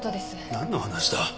なんの話だ？